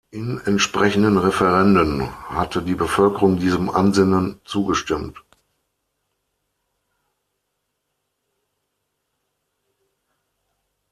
In entsprechenden Referenden hatte die Bevölkerung diesem Ansinnen zugestimmt.